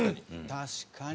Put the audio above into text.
確かに。